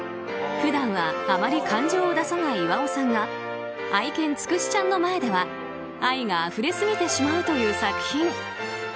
普段はあまり感情を出さない岩尾さんが愛犬つくしちゃんの前では愛があふれすぎてしまうという作品。